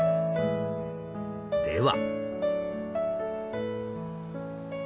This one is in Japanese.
では。